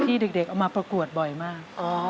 ที่เด็กเอามาประกวดบ่อยมาก